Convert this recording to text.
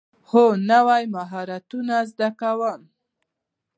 هو، نوی مهارتونه زده کوم